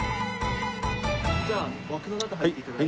じゃあ枠の中入って頂いて。